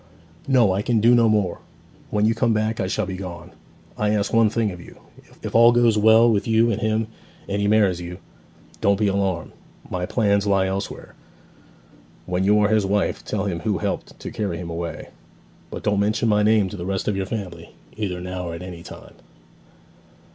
'No; I can do no more. When you come back I shall be gone. I ask one thing of you. If all goes well with you and him, and he marries you don't be alarmed; my plans lie elsewhere when you are his wife tell him who helped to carry him away. But don't mention my name to the rest of your family, either now or at any time.'